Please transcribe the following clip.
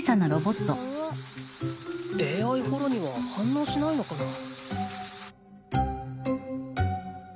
ＡＩホロには反応しないのかな。